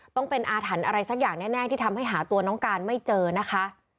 ต้องเป็นอาถรรพ์อะไรสักอย่างแน่ที่ทำให้หาตัวน้องการไม่เจอนะคะ